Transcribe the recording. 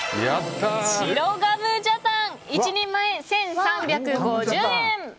白ガムジャタン１人前１３５０円。